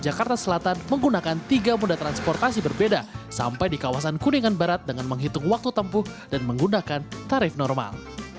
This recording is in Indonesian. jakarta selatan menggunakan tiga moda transportasi berbeda sampai di kawasan kuningan barat dengan menghitung waktu tempuh dan menggunakan tarif normal